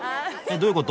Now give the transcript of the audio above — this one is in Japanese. どういうこと？